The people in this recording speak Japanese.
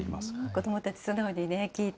子どもたち、素直に聞いて。